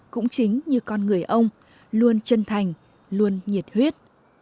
cũng chính như con người ông luôn chân thành luôn nhiệt huyết